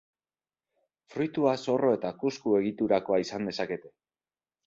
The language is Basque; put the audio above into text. Fruitua zorro edo kusku egiturakoa izan dezakete.